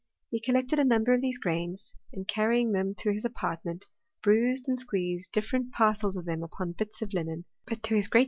He collected a number of these grains, and carrying them to his apartment, bruised and squeezed different par cels of them upon bits of linen; but to his gieat t2 J76 HlSTOHY OP CHEMISTRT.